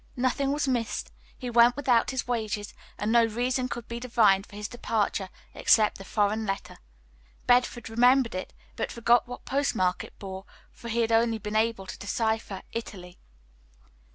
Nothing was missed, he went without his wages, and no reason could be divined for his departure except the foreign letter. Bedford remembered it, but forgot what postmark it bore, for he had only been able to decipher "Italy."